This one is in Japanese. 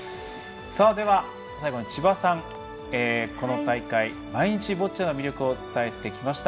最後に千葉さん、この大会毎日、ボッチャの魅力を伝えてきました。